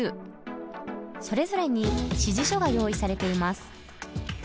それぞれに指示書が用意されています。